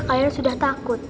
kalian sudah takut